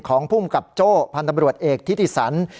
ของผู้มกับโจ้พันธบรวจเอกที่ถิสัน